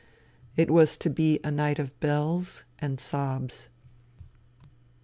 It was :o be a night of bells and sobs.